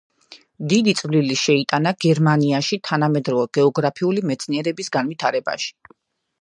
დიდი წვლილი შეიტანა გერმანიაში თანამედროვე გეოგრაფიული მეცნიერების განვითარებაში.